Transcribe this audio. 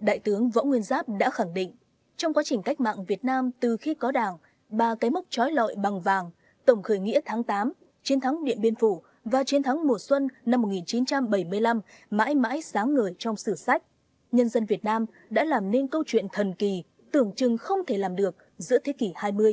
đại tướng võ nguyên giáp đã khẳng định trong quá trình cách mạng việt nam từ khi có đảng ba cái mốc trói lọi bằng vàng tổng khởi nghĩa tháng tám chiến thắng điện biên phủ và chiến thắng mùa xuân năm một nghìn chín trăm bảy mươi năm mãi mãi sáng ngời trong sử sách nhân dân việt nam đã làm nên câu chuyện thần kỳ tưởng chừng không thể làm được giữa thế kỷ hai mươi